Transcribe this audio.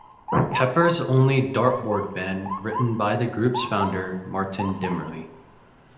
Pepper's Only Dart Board Band, written by the group's founder, Martin Dimery.